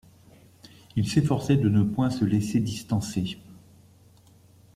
Il s’efforçait de ne point se laisser distancer.